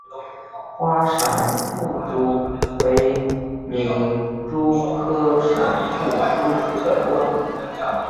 花闪腹蛛为皿蛛科闪腹蛛属的动物。